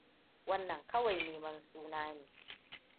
Wannan kawai neman suna ne.